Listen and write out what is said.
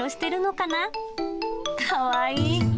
かわいい！